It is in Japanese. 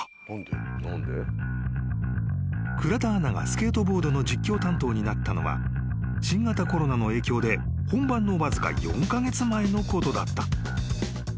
［倉田アナがスケートボードの実況担当になったのは新型コロナの影響で本番のわずか４カ月前のことだった］